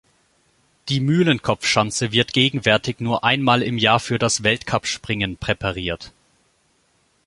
Die Mühlenkopfschanze wird gegenwärtig nur einmal im Jahr für das Weltcupspringen präpariert.